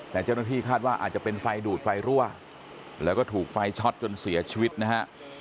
แต่เจ้าหน้าที่คาดว่าอาจจะเป็นไฟดูดไฟรั่วแล้วก็ถูกไฟช็อตจนเสียชีวิตนะฮะ